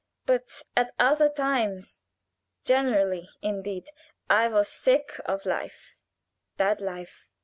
But at other times, generally indeed, I was sick of life that life.